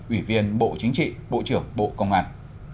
ủy viên bộ chính trị bộ trưởng bộ công an